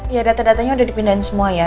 ya data datanya udah dipindahin semua ya